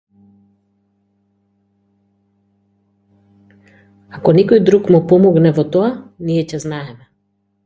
Ако некој друг му помогне во тоа, ние ќе знаеме.